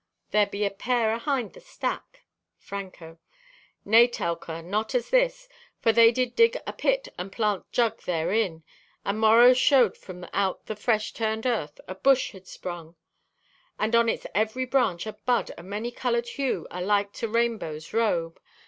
There be a pair ahind the stack." (Franco) "Nay, Telka, not as this, for they did dig a pit and plant jug therein, and morrow showed from out the fresh turned earth a bush had sprung, and on its every branch a bud o' many colored hue alike to rainbow's robe.